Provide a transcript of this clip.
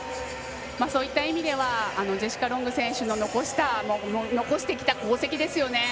そういった意味ではジェシカ・ロング選手が残してきた功績ですよね。